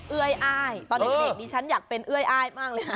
เยื่อยอายตอนเด็กนี้ชั้นอยากเป็นเยื่อยอายมากเลยค่ะ